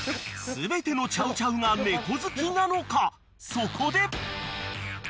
［そこで！］